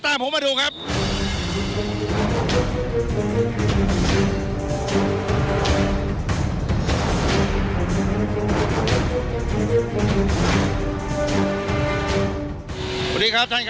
สถานการณ์ข้อมูล